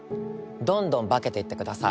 どんどん化けていってください。